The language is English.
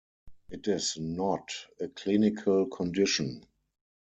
It is not a clinical condition.